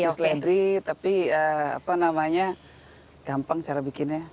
jus ledri tapi apa namanya gampang cara bikinnya